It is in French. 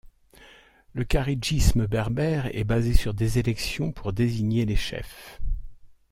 Le kharidjisme berbère est basé sur des élections pour désigner les chefs.